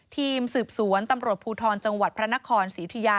ทีมสืบสวนตำรวจภูทรจังหวัดพระนครศรีธุยา